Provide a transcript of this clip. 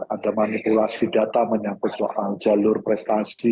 ada manipulasi data menyangkut soal jalur prestasi